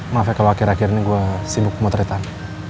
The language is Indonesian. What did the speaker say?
maaf ya kalau akhir akhir ini gue sibuk memotretan